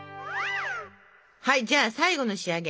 はいじゃあ最後の仕上げ。